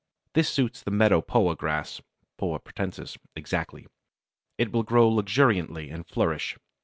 This suits the Meadow Poa grass (Poa pratensis) exactly. It will grow luxuriantly and flourish.